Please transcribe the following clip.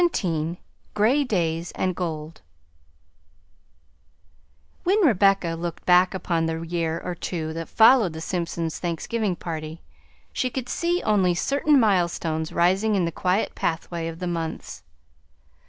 XVII GRAY DAYS AND GOLD When Rebecca looked back upon the year or two that followed the Simpsons' Thanksgiving party, she could see only certain milestones rising in the quiet pathway of the months.